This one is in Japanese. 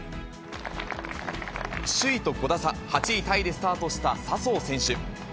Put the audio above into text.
首位と５打差、８位タイでスタートした笹生選手。